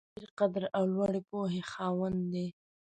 چې د ډېر قدر او لوړې پوهې خاوند دی.